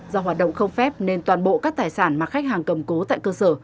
do hoạt động không phép nên toàn bộ các tài sản mà khách hàng cầm cố tại cơ sở